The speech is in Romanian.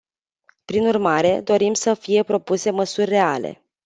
Prin urmare, dorim să fie propuse măsuri reale.